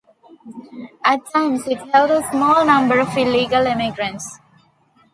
At times, it held a small number of illegal immigrants.